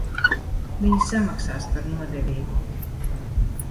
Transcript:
Viņi samaksās par nodevību.